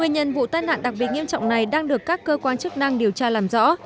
nguyên nhân vụ tai nạn đặc biệt nghiêm trọng này đang được các cơ quan chức năng điều tra làm rõ